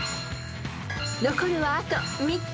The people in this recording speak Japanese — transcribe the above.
［残るはあと３つ］